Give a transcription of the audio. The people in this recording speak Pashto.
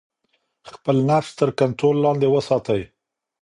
خپل نفس تر کنټرول لاندې وساتئ.